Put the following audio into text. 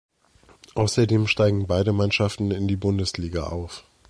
Außerdem steigen beide Mannschaften in die Bundesliga auf.